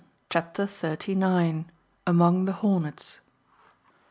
CHAPTER THIRTY NINE. AMONG THE HORNETS.